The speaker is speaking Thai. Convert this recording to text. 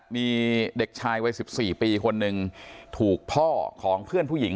มีเด็กชายวัย๑๔ปีคนหนึ่งถูกพ่อของเพื่อนผู้หญิง